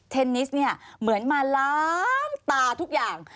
เทนนิสเหมือนมาล้ามตาทุกอย่าง